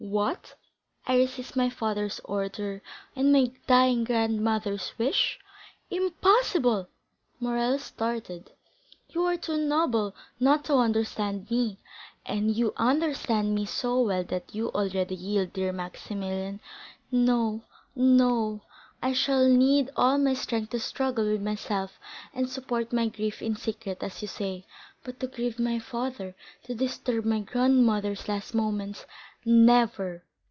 What? I resist my father's order, and my dying grandmother's wish? Impossible!" Morrel started. "You are too noble not to understand me, and you understand me so well that you already yield, dear Maximilian. No, no; I shall need all my strength to struggle with myself and support my grief in secret, as you say. But to grieve my father—to disturb my grandmother's last moments—never!"